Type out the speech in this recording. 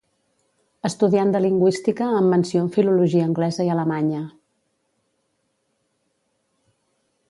Estudiant de Lingüística amb menció en Filologia Anglesa i Alemanya.